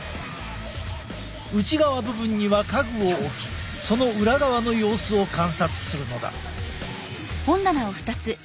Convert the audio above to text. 内側部分には家具を置きその裏側の様子を観察するのだ。